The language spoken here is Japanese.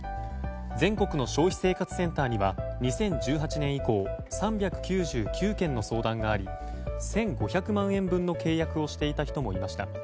全国の消費生活センターには２０１８年以降３９９件の相談があり１５００万円分の契約をしていた人もいました。